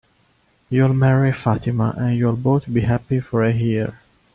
You'll marry Fatima, and you'll both be happy for a year.